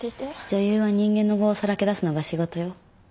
女優は人間の業をさらけ出すのが仕事よ。